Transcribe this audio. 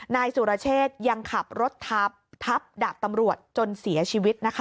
นายสุรเชษยังขับรถทับทับดาบตำรวจจนเสียชีวิตนะคะ